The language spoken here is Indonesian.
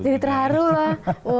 jadi terharu lah